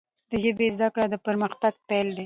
د ژبي زده کړه، د پرمختګ پیل دی.